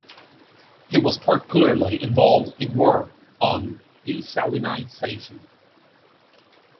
He was particularly involved in work on desalinisation.